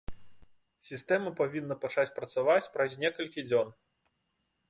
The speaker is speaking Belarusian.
Сістэма павінна пачаць працаваць праз некалькі дзён.